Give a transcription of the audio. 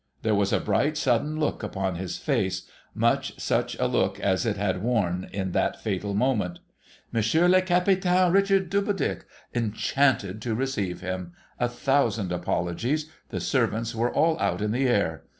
There was a bright, sudden look upon his face, much such a look as it had worn in that fatal moment. Monsieur le Capitaine Richard Doubledick ? Enchanted to receive him 1 A thousand apologies ! The servants were all out in the air.